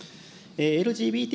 ＬＧＢＴ